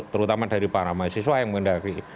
terutama dari para mahasiswa yang mengendaki